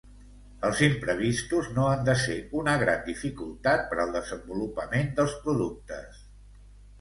Els imprevistos no han de ser una gran dificultat per al desenvolupament dels productes.